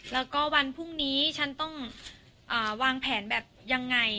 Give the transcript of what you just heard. แล้วก็วันพรุ่งนี้ฉันต้องวางแผนแบบยังไง